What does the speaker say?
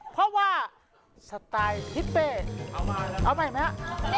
เพราะว่าสไตล์ฮิปเปย์เอาใหม่ไหมฮะเอาใหม่นะครับ